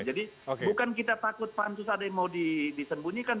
jadi bukan kita takut pak amsus ada yang mau disembunyikan